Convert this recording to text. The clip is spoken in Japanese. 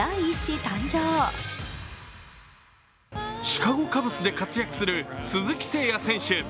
シカゴ・カブスで活躍する鈴木誠也選手。